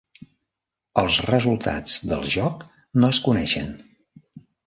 Els resultats del joc no es coneixen.